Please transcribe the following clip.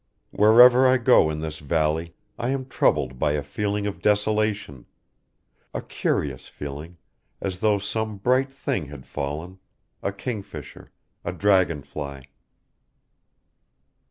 Wherever I go in this valley I am troubled by a feeling of desolation: a curious feeling, as though some bright thing had fallen a kingfisher, a dragon fly.